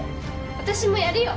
私もやるよ！